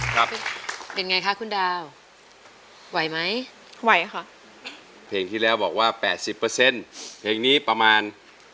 ครับเป็นไงคะคุณดาวไหวไหมไหวค่ะเพลงที่แล้วบอกว่า๘๐ครีมนี้ประมาณ